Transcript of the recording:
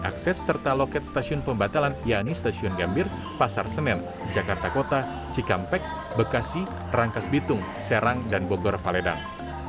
akses serta loket stasiun pembatalan yakni stasiun gambir pasar senen jakarta kota cikampek bekasi rangkas bitung serang dan bogor paledang